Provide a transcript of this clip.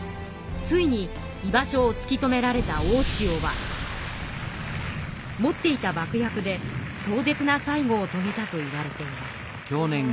ついに居場所をつき止められた大塩は持っていたばく薬でそう絶なさいごをとげたといわれています。